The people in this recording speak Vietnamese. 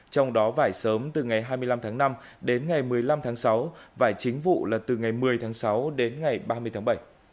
trong đó vải sớm từ ngày hai mươi năm tháng năm đến ngày một mươi năm tháng sáu vải chính vụ là từ ngày một mươi tháng sáu đến ngày ba mươi tháng bảy